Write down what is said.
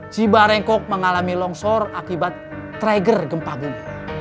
cibarengkok mengalami longsor akibat trigger gempa bumi